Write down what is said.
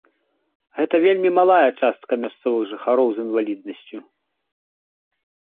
Гэта вельмі малая частка мясцовых жыхароў з інваліднасцю.